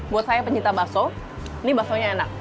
buat saya pencipta bakso ini bakso nya enak